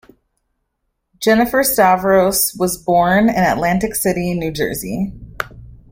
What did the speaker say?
Jennifer Stavros was born in Atlantic City, New Jersey.